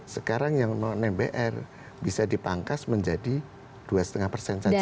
sekarang yang non mbr bisa dipangkas menjadi dua lima persen saja